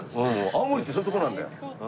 青森ってそういうとこなんだよ。